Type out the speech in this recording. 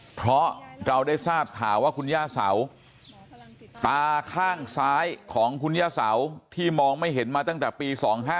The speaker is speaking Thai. เพราะเราได้ทราบข่าวว่าคุณย่าเสาตาข้างซ้ายของคุณย่าเสาที่มองไม่เห็นมาตั้งแต่ปี๒๕๕